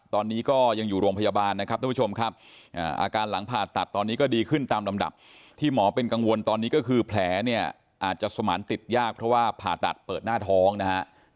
ตอนนี้ก็ยังอยู่โรงพยาบาลนะครับทุกผู้ชมครับอาการหลังผ่าตัดตอนนี้ก็ดีขึ้นตามลำดับที่หมอเป็นกังวลตอนนี้ก็คือแผลเนี่ยอาจจะสมานติดยากเพราะว่าผ่าตัดเปิดหน้าท้องนะฮะ